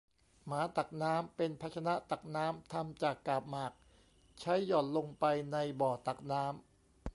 หมาตักน้ำ เป็นภาชนะตักน้ำทำจากกาบหมาก ใช้หย่อนลงไปในบ่อตักน้ำ